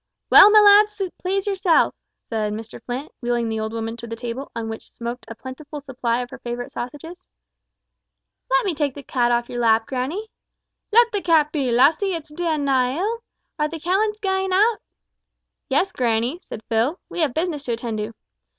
"Well, my lads, please yourselves," said Mr Flint, wheeling the old woman to the table, on which smoked a plentiful supply of her favourite sausages. "Let me take the cat off your lap, grannie," said May. "Let the cat be, lassie; it's daein' nae ill. Are the callants gaein' oot?" "Yes, grannie," said Phil, "we have business to attend to."